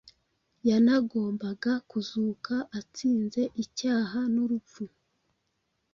yanagombaga kuzuka atsinze icyaha n’urupfu